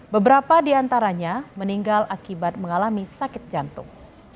beberapa diantaranya meninggal akibat mengalami sakit jantung